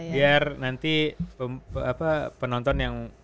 biar nanti penonton yang